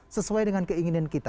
sesuai dengan keinginan kita